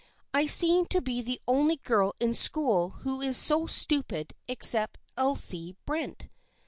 " I seem to be the only girl in school who is so stupid except Elsie Brent.